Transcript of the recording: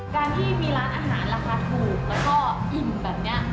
การที่มีร้านอาหารราคาถูกแล้วก็อิ่มแบบนี้